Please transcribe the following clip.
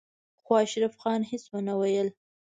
خو اشرف خان هېڅ ونه ويل.